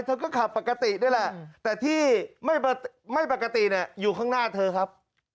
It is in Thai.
เธอก็ขับปกตินี่แหละแต่ที่ไม่ปกติอยู่ข้างหน้าเธอครับ